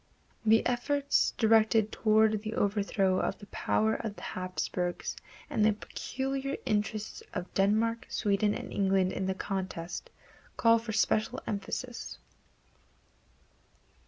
The efforts directed toward the overthrow of the power of the Hapsburgs and the peculiar interests of Denmark, Sweden and England in the contest call for special emphasis.